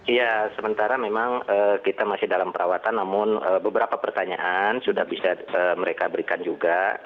iya sementara memang kita masih dalam perawatan namun beberapa pertanyaan sudah bisa mereka berikan juga